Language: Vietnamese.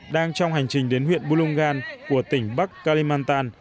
đang trong hành trình đến huyện bolgan của tỉnh bắc kalimantan